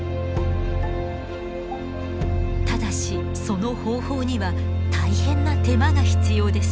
ただしその方法には大変な手間が必要です。